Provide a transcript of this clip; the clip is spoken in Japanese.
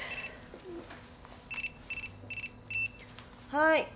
はい。